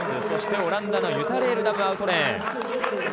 そしてオランダのユタ・レールダム、アウトレーン。